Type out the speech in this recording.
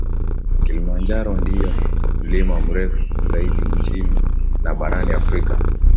Kilimanjaro ndiyo mlima mrefu zaidi nchini na barani Afrika